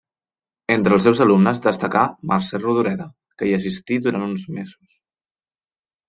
Entre els seus alumnes destaca Mercè Rodoreda, que hi assistí durant uns mesos.